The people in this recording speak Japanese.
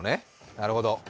なるほど。